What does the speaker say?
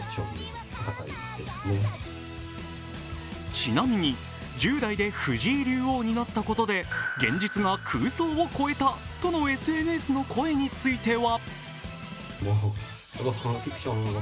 ちなみに、１０代で藤井竜王になったことで現実が空想を超えたとのＳＮＳの声については。